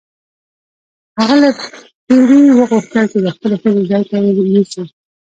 هغه له پیري وغوښتل چې د خپلې ښځې ځای ته یې یوسي.